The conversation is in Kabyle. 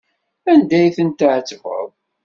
Anda ay ten-tɛettbeḍ?